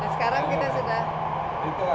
sekarang kita sudah